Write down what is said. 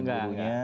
oh enggak enggak